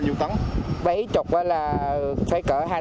bảy mươi là phải cỡ hai tấn rưỡi